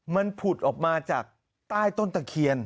มันผุดออกมาจากใต้ต้นตะเคียน